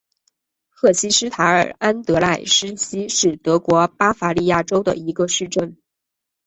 赫希斯塔特安德赖斯希是德国巴伐利亚州的一个市镇。